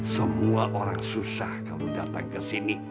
semua orang susah kalau datang ke sini